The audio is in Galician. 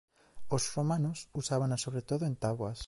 Os romanos usábana sobre todo en táboas.